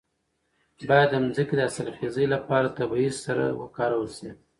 باید د ځمکې د حاصلخیزۍ لپاره طبیعي سره وکارول شي.